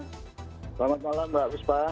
selamat malam mbak fuspa